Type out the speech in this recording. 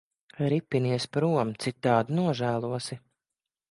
Ripinies prom, citādi nožēlosi.